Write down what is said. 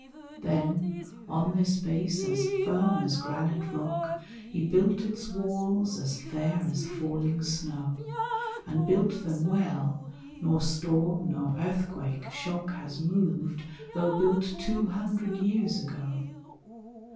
Then on this base as firm as granite rock, He built its walls as fair as falling snow, And built them well, nor storm, nor earthquake shock Has moved, tho' built two hundred years ago.